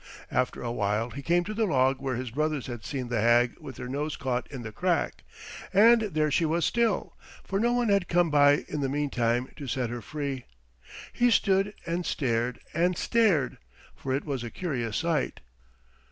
After a while he came to the log where his brothers had seen the hag with her nose caught in the crack, and there she was still, for no one had come by in the meantime to set her free. He stood and stared and stared, for it was a curious sight.